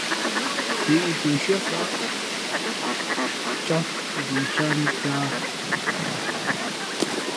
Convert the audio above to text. Kweʼ ī tα nshʉ́ά faʼá ncām mbα ncām ntāā.